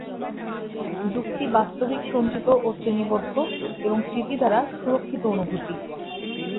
যুক্তি বাস্তবিক সঞ্চিত ও শ্রেণীবদ্ধ এবং স্মৃতি দ্বারা সুরক্ষিত অনুভূতি।